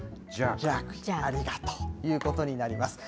ありがとうということになります。